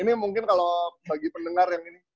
ini mungkin kalau bagi pendengar yang ini